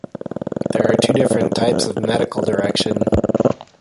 There are two different types of medical direction.